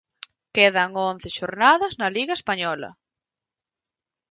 Quedan once xornadas na Liga española.